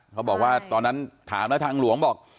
เขาบอกว่าตอนนั้นถามแล้วทางหลวงบอก